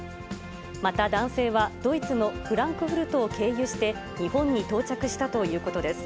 また男性は、ドイツのフランクフルトを経由して、日本に到着したということです。